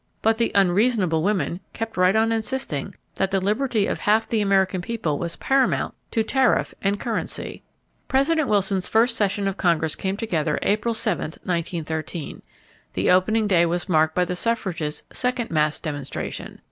But the "unreasonable" women kept right on insisting that the liberty of half the American people was paramount to tariff and currency. President Wilson's first session of Congress came together April 7th, 1913. The opening day was marked by the suffragists' second mass demonstration.